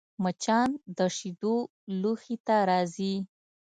مچان د شیدو لوښي ته راځي